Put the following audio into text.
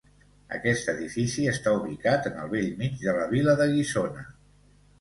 Aquest edifici està ubicat en el bell mig de la vila de Guissona.